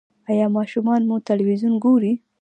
ایا ماشومان مو تلویزیون ګوري؟